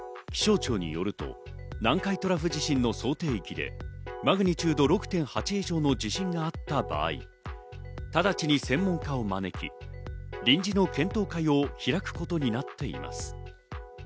気象庁によると南海トラフ地震の想定値でマグニチュード６．８以上の地震があった場合、直ちに専門家を招き、臨時の検討会を開くことになっています。